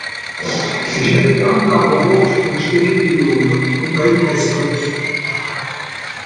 Isch hätt Garn Lawerwurscht un e Steckel Lyoner un au Presskopf